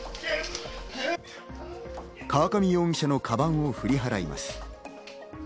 河上容疑者のかばんを振り払います。